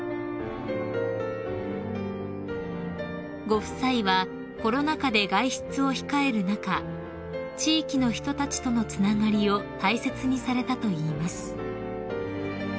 ［ご夫妻はコロナ禍で外出を控える中地域の人たちとのつながりを大切にされたといいます］